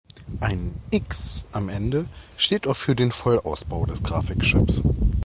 Ein „X“ am Ende steht oft für den Vollausbau des Grafikchips.